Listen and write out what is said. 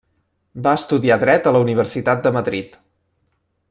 Va estudiar Dret a la Universitat de Madrid.